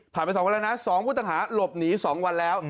ไป๒วันแล้วนะ๒ผู้ต้องหาหลบหนี๒วันแล้ว